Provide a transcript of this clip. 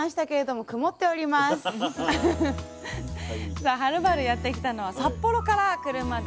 さあはるばるやって来たのは札幌から車でおよそ２時間。